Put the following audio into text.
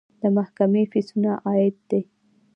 د محکمې فیسونه عاید دی